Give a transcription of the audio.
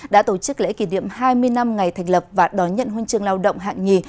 đã tổ chức lễ kỷ niệm hai mươi năm ngày thành lập và đón nhận huân chương lao động hạng nhì